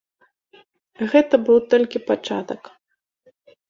Гэта быў толькі пачатак.